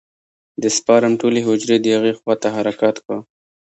د سپرم ټولې حجرې د هغې خوا ته حرکت کا.